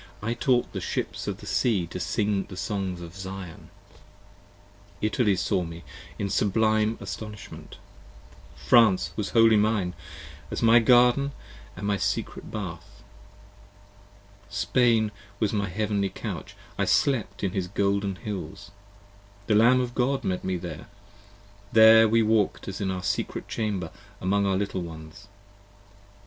I taught the ships of the sea to sing the songs of Zion. Italy saw me, in sublime astonishment: France was wholly mine, 40 As my garden & as my secret bath: Spain was my heavenly couch, I slept in his golden hills ; the Lamb of God met me there, There we walked as in our secret chamber among our little ones.